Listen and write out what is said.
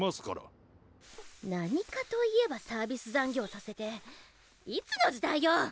何かといえばサービス残業させていつの時代よ！？